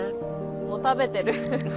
もう食べてる。